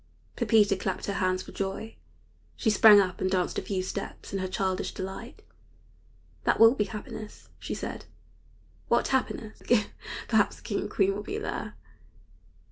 Pepita clapped her hands for joy. She sprang up and danced a few steps in her childish delight. "That will be happiness," she said. "What happiness! Perhaps the king and queen will be there!"